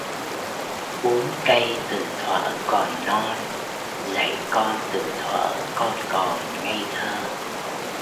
Uốn cây từ thuở còn non. Dạy con từ thuở con còn ngây thơ.